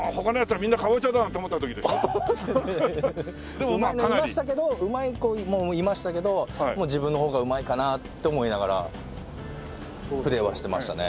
でもうまいのいましたけどうまい子もいましたけど自分の方がうまいかなって思いながらプレーはしてましたね。